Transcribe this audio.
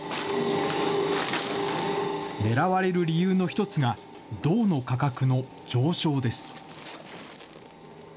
狙われる理由の１つが、銅の価格の上昇です。